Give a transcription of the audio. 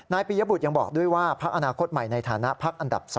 ปียบุตรยังบอกด้วยว่าพักอนาคตใหม่ในฐานะพักอันดับ๒